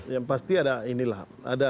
yang pasti ada inilah